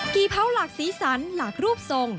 เผาหลากสีสันหลากรูปทรง